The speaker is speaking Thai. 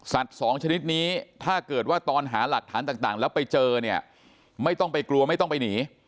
สองชนิดนี้ถ้าเกิดว่าตอนหาหลักฐานต่างแล้วไปเจอเนี่ยไม่ต้องไปกลัวไม่ต้องไปหนี